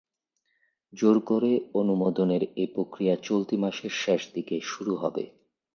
জোর করে অনুমোদনের এ প্রক্রিয়া চলতি মাসের শেষ দিকে শুরু হবে।